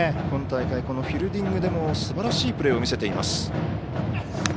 今大会フィールディングでもすばらしいプレーを見せています。